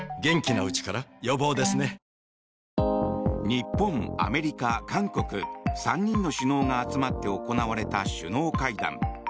日本、アメリカ、韓国３人の首脳が集まって行われた首脳会談。